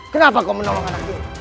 kenapa kau menolong anak dia